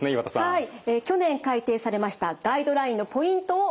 はい。